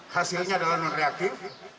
hasilnya adalah non reaktif